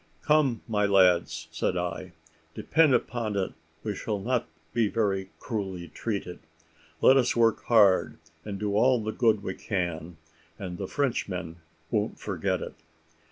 "Come, my lads," said I, "depend upon it we shall not be very cruelly treated. Let us work hard, and do all the good we can, and the Frenchmen won't forget it."